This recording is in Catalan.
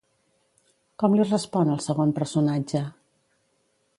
Com li respon el segon personatge?